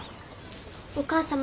お母様。